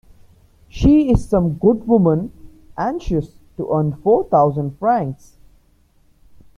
She is some good woman anxious to earn four thousand francs.